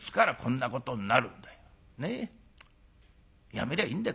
やめりゃあいいんだよ